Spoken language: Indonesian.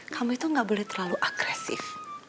kamu itu gak boleh terlalu agresif